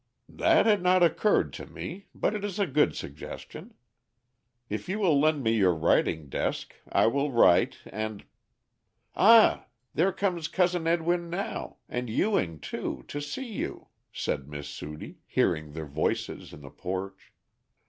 "That had not occurred to me, but it is a good suggestion. If you will lend me your writing desk I will write and " "Ah, there comes Cousin Edwin now, and Ewing too, to see you," said Miss Sudie, hearing their voices in the porch.